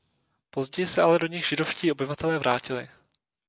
Později se ale do nich židovští obyvatelé vrátili.